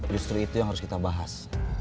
justru itu yang harus kita bahas